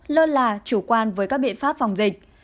lơ là chủ quan với các biện pháp phòng dịch